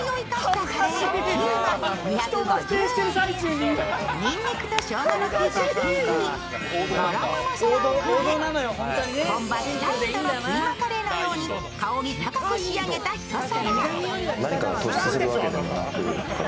にんにくとしょうがの効いたひき肉に、ガラムマサラを加え、本場・北インドのキーマカレーのように香り高く仕上げた一皿。